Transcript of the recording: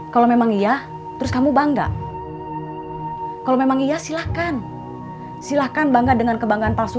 kalau memang iya terus kamu bangga kalau memang iya silahkan silahkan bangga dengan kebanggaan palsu